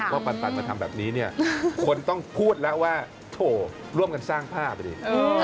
ปันมาทำแบบนี้เนี่ยคนต้องพูดแล้วว่าโถร่วมกันสร้างภาพดิ